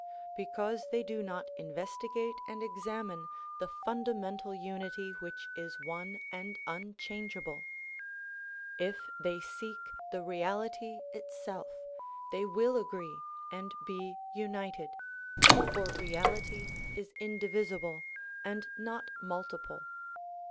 Because they do not investi gate and examine the fundamental unity which is one and un changeable. If they seek tlio reality itself they will agree and be united ; for reality is indivisil)le and not multiple.